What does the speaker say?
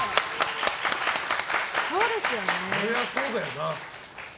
そりゃそうだよな。